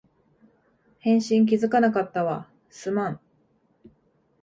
返信気づかなかったわ、すまん